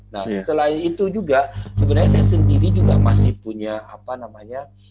nah selain itu juga sebenarnya saya sendiri juga masih punya apa namanya